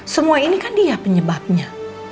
semua ini kan dia penyebabnya